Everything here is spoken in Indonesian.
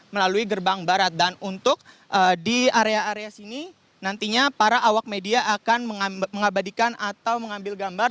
melalui gerbang barat dan untuk di area area sini nantinya para awak media akan mengabadikan atau mengambil gambar